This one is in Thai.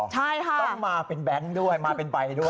ต้องมาเป็นแบงค์ด้วยมาเป็นใบด้วยค่ะ